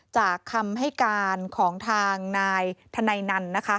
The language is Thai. จากคำให้การของทางนายธนัยนัน